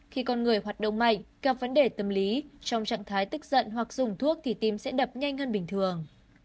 khi con người hoạt động mạnh gặp vấn đề tâm lý trong trạng thái tức giận hoặc dùng thuốc thì tim sẽ đập nhanh hơn bình thường